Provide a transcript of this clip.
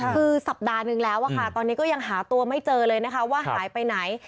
คือสัปดาห์นึงแล้วค่ะตอนนี้ก็ยังหาตัวไม่เจอเลยนะคะว่าหายไปไหน